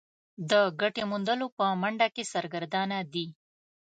د ګټې موندلو په منډه کې سرګردانه دي.